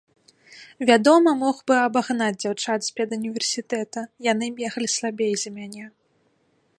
Вядома, мог бы абагнаць дзяўчат з педуніверсітэта, яны беглі слабей за мяне.